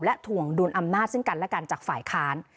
ถ่วงดุลอำนาจซึ่งกันและกันจากฝ่ายค้าน